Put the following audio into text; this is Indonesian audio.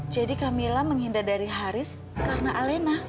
jadi kamila menghindar dari haris karena alena